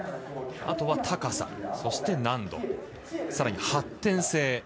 あとは高さ、そして難度さらに、発展性。